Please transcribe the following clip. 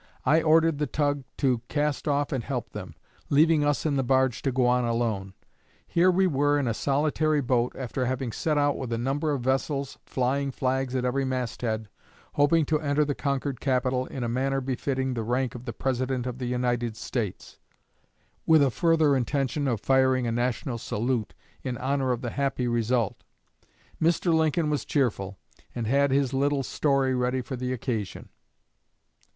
I ordered the tug to cast off and help them, leaving us in the barge to go on alone. Here we were in a solitary boat, after having set out with a number of vessels flying flags at every masthead, hoping to enter the conquered capital in a manner befitting the rank of the President of the United States, with a further intention of firing a national salute in honor of the happy result. Mr. Lincoln was cheerful, and had his 'little story' ready for the occasion.